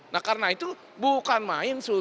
nah karena itu bukan main